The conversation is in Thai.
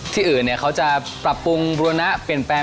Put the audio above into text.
ที่อื่นเขาจะปรับปรุงบุรณะเปลี่ยนแปลง